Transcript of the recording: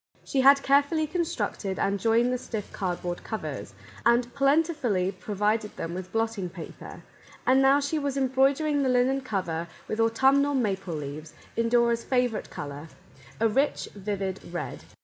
She had carefully constructed and joined the stiff cardboard covers, and plentifully provided them with blotting paper, and now she was embroidering the linen cover with autumnal maple leaves in Dora's favourite colour, a rich, vivid red.